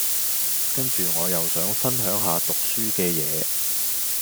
跟住我又想分享下讀書嘅嘢